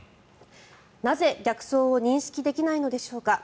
なぜ、逆走を認識できないのでしょうか。